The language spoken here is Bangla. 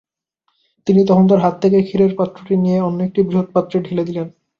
তিনি তখন তার হাত থেকে ক্ষীরের পাত্রটি নিয়ে অন্য একটি বৃহৎ পাত্রে ঢেলে দিলেন।